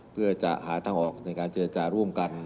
เพื่อจะหาทางออกในการเจรจาร่วมกัน